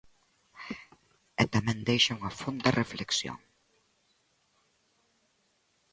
E tamén deixa unha fonda reflexión.